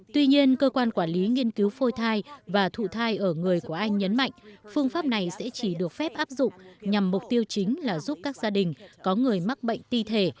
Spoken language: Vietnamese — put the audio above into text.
tuy nhiên cơ quan quản lý nghiên cứu phôi thai và thụ thai ở người của anh nhấn mạnh phương pháp này sẽ chỉ được phép áp dụng nhằm mục tiêu chính là giúp các gia đình có người mắc bệnh ti thể